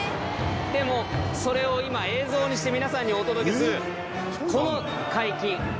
でもそれを今映像にして皆さんにお届けするこの解禁。